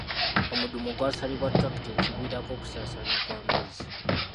Omudumu gwasalibwa ttulakita ekiviirako okusaasaana kw'amazzi.